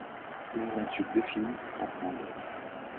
Ils ont eu deux filles ensemble.